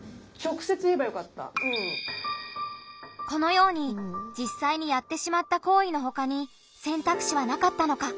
このようにじっさいにやってしまった行為のほかに選択肢はなかったのか。